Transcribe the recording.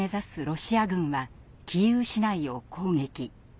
ロシア軍はキーウ市内を攻撃。